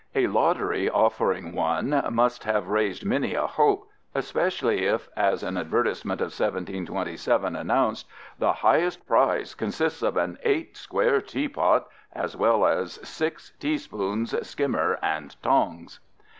A lottery offering one must have raised many a hope, especially if, as an advertisement of 1727 announced, the "highest Prize consists of an Eight Square Tea Pot," as well as "six Tea Spoons, Skimmer and Tongs."